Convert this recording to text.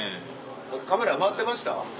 カメラ回ってました？